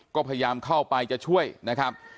ก็พยายามเข้าไปจะช่วยนะครับ